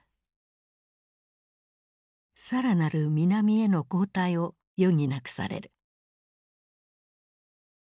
さらなる南への後退を余儀なくされる。